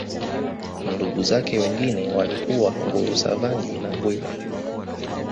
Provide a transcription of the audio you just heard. Ndugu zake wengine walikuwa Ngulusavangi na Ngwila